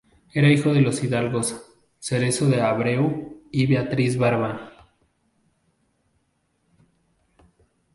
Era hijo de los hidalgos Cerezo de Abreu y de Beatriz Barba.